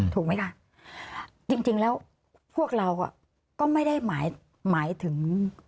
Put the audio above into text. ถูกไหมคะจริงแล้วพวกเราก็ไม่ได้หมายหมายถึง